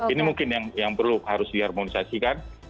ini mungkin yang perlu harus diharmonisasikan